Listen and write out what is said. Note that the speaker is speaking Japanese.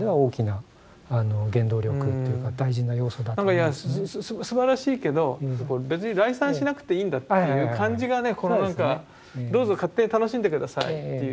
いやまさにすばらしいけど別に礼賛しなくていいんだっていう感じがねどうぞ勝手に楽しんで下さいっていう。